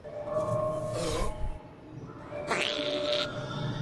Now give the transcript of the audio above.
La serie comenzó sus filmaciones en Bulgaria.